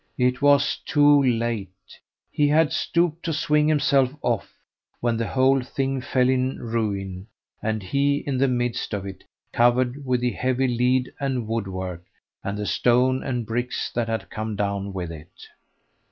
It was too late; he had stooped to swing himself off, when the whole thing fell in ruin, and he in the midst of it, covered with the heavy lead and woodwork, and the stone and bricks that had come down with it.